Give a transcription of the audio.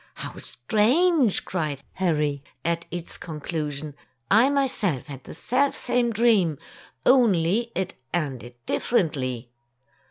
''How strange!" cried Harry, at its conclusion. "I myself had the self same dream, only it ended differently."